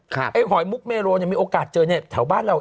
ไอ้หอยมุกเมโลเนี่ยมีโอกาสเจอเนี่ยแถวบ้านเรา